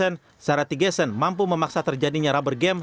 tensen saratigesen mampu memaksa terjadinya rubber game